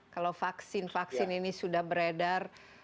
kalau vaksin vaksin ini sudah beredar